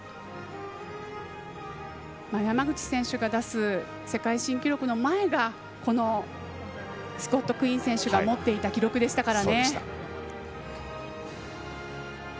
山口選手が出す世界新記録の前がこのスコット・クイン選手が持っていた記録ですから。